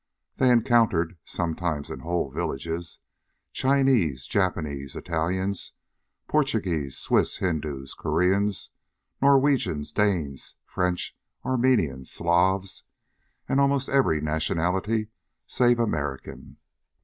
They encountered sometimes in whole villages Chinese, Japanese, Italians, Portuguese, Swiss, Hindus, Koreans, Norwegians, Danes, French, Armenians, Slavs, almost every nationality save American.